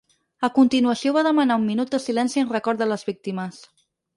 A continuació va demanar un minut de silenci en record de les víctimes.